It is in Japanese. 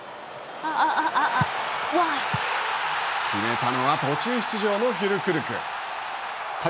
決めたのは途中出場のフュルクルク。